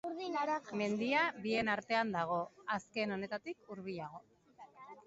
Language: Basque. Mendia bien artean dago, azken honetatik hurbilago.